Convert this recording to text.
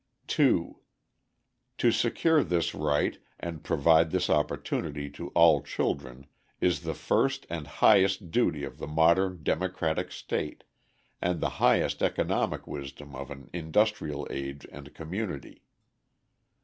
2. To secure this right and provide this opportunity to all children is the first and highest duty of the modern democratic state, and the highest economic wisdom of an industrial age and community.